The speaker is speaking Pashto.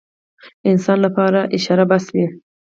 انسان لپاره اشاره بس وي.